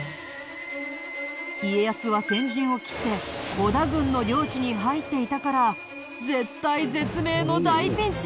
家康は先陣を切って織田軍の領地に入っていたから絶体絶命の大ピンチ！